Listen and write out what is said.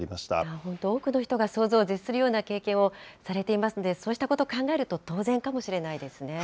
本当、多くの人が想像を絶するような経験をされていますので、そうしたこと考えると当然かもしれないですね。